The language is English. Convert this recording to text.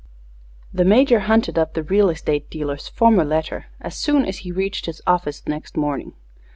The Major hunted up the real estate dealer's former letter as soon as he reached his office next morning.